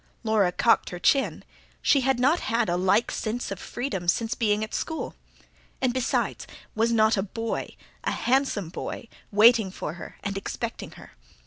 Laura cocked her chin; she had not had a like sense of freedom since being at school. And besides, was not a boy, a handsome boy, waiting for her, and expecting her?